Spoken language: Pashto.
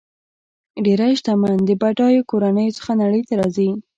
ډېری شتمن د بډایو کورنیو څخه نړۍ ته راځي.